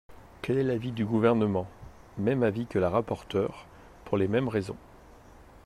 Quel est l’avis du Gouvernement ? Même avis que la rapporteure, pour les mêmes raisons.